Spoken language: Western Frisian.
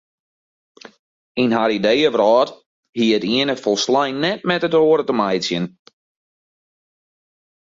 Yn har ideeëwrâld hie it iene folslein net met it oare te meitsjen.